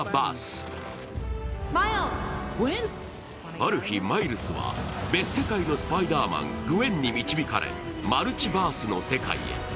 ある日、マイルスは別世界のスパイダーマン、グウェンに導かれマルチバースの世界へ。